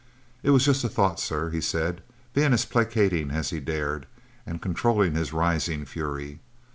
"It was just a thought, sir," he said, being as placating as he dared, and controlling his rising fury.